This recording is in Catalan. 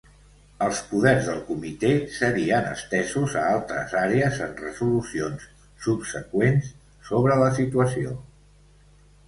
Els poders del comitè serien estesos a altres àrees en resolucions subseqüents sobre la situació.